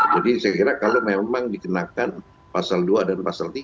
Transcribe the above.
jadi saya kira kalau memang dikenakan pasal dua dan pasal tiga